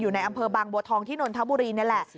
ในอำเภอบางบัวทองที่นนทบุรีนี่แหละ